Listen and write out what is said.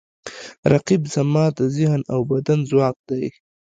رقیب زما د ذهن او بدن ځواک دی